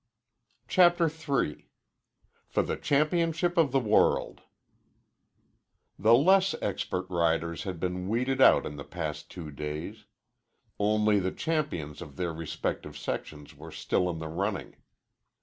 CHAPTER III FOR THE CHAMPIONSHIP OF THE WORLD The less expert riders had been weeded out in the past two days. Only the champions of their respective sections were still in the running.